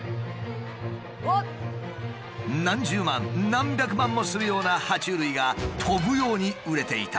何十万何百万もするようなは虫類が飛ぶように売れていた。